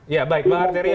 ya baik bang arteria